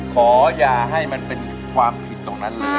ขออย่าให้มันเป็นความผิดตรงนั้นเลย